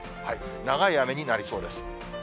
長い雨になりそうです。